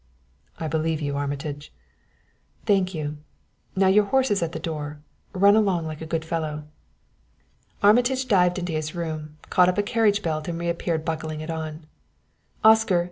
"I believe you, Armitage." "Thank you. Now your horse is at the door run along like a good fellow." Armitage dived into his room, caught up a cartridge belt and reappeared buckling it on. "Oscar!"